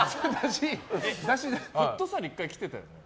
フットサル１回来てたよね？